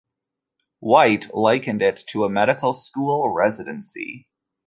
White likened it to a medical school residency.